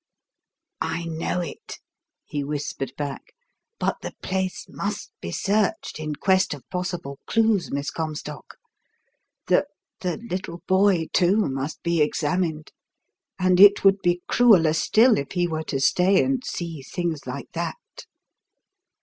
"I know it," he whispered back; "but the place must be searched in quest of possible clues, Miss Comstock. The the little boy, too, must be examined, and it would be crueller still if he were to stay and see things like that.